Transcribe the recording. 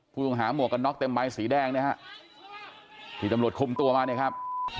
ผู้ห่างหาหมวกกันน็อกเต็มบ้านสีแดงนะฮะที่จำโรดคุมตัวมาเนี่ยครับ